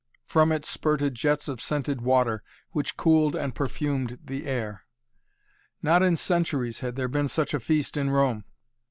From it spurted jets of scented water, which cooled and perfumed the air. Not in centuries had there been such a feast in Rome.